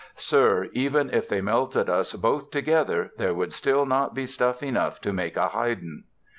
Sir, even if they melted us both together, there would still not be stuff enough to make a Haydn."